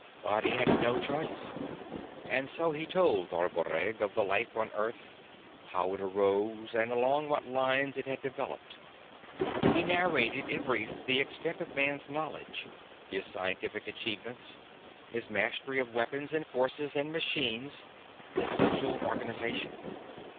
But he had no choice, and so he told Garboreggg of the life on Earth, how it arose and along what lines it had developed; he narrated in brief the extent of man's knowledge, his scientific achievements, his mastery of weapons and forces and machines, his social organization.